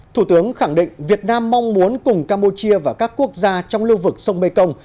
thủ tướng khẳng định việt nam mong muốn cùng campuchia và các quốc gia trong lưu vực sông mekong